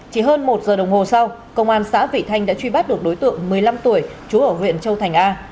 chỉ hơn một giờ đồng hồ sau công an xã vị thanh đã truy bắt được đối tượng một mươi năm tuổi chú ở huyện châu thành a